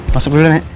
masuk dulu ya nek